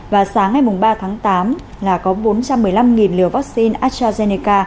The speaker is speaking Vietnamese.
và sáng ngày ba tháng tám là có bốn trăm một mươi năm liều vaccine astrazeneca